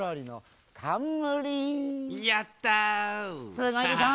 すごいでしょ？